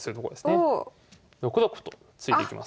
６六歩と突いていきます。